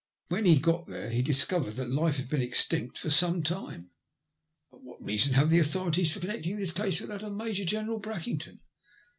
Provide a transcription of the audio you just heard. When he got there he discovered that life had been extinct for some time." "But what reason have the authorities for con necting this case with that of Major General Brackington